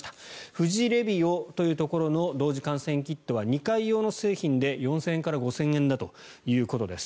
富士レビオというところの同時検査キットは２回用の製品で４０００円から５０００円だということです。